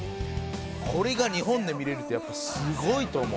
これが日本で見れるってやっぱすごいと思う。